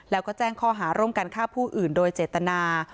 แล้วก็แจ้งข้อหาร่วมกันฆ่าผู้อื่นโดยเจตนา